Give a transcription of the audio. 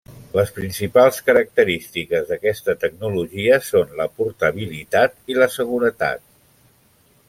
Les principals característiques d'aquesta tecnologia són la portabilitat i la seguretat.